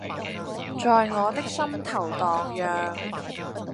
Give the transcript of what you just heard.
在我的心頭蕩漾